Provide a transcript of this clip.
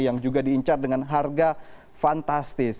yang juga diincar dengan harga fantastis